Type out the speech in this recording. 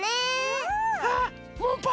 うん！